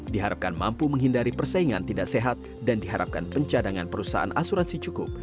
diharapkan mampu menghindari persaingan tidak sehat dan diharapkan pencadangan perusahaan asuransi cukup